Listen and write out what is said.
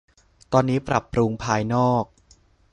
ตอนนี้ปรับปรุงภายนอก